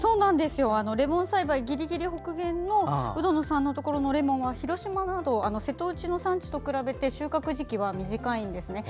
レモン栽培ギリギリ北限の鵜殿さんのところは広島など瀬戸内の産地と比べて収穫時期は短いんですね。